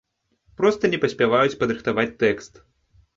Проста не паспяваюць падрыхтаваць тэкст.